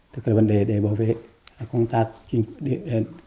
tức là vấn đề để bảo vệ công tác chính dân